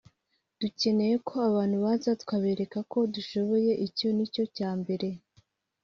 dukeneye ko abantu baza tukabereka ko dushoboye icyo ni cyo cya mbere